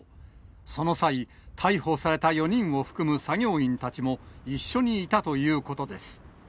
その際、逮捕された４人を含む作業員たちも、一緒にいたということです。